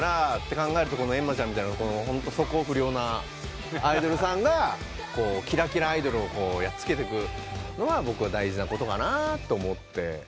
そう考えると閻魔ちゃんみたいな素行不良なアイドルさんがきらきらアイドルをやっつけてくのは僕は大事なことかなと思って。